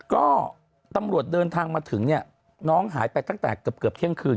ก็ตำรวจเดินทางมาถึงเนี่ยน้องหายไปตั้งแต่เกือบเที่ยงคืน